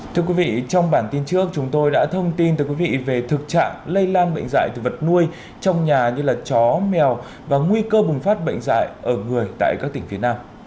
thưa quý vị trong bản tin trước chúng tôi đã thông tin về thực trạng lây lan bệnh dạy từ vật nuôi trong nhà như chó mèo và nguy cơ bùng phát bệnh dạy ở người tại các tỉnh việt nam